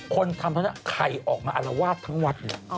คนทำแล้วใครออกมาอารวาสทั้งวัดเนี่ย